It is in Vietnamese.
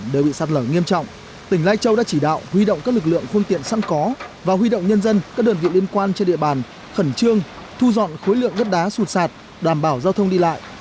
để bị sạt lở nghiêm trọng tỉnh lai châu đã chỉ đạo huy động các lực lượng phương tiện sẵn có và huy động nhân dân các đơn vị liên quan trên địa bàn khẩn trương thu dọn khối lượng đất đá sụt sạt đảm bảo giao thông đi lại